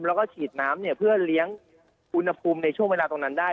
แล้วก็ฉีดน้ำเนี่ยเพื่อเลี้ยงอุณหภูมิในช่วงเวลาตรงนั้นได้